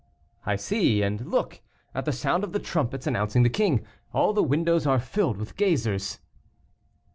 "I see it; and look! at the sound of the trumpets announcing the king, all the windows are filled with gazers."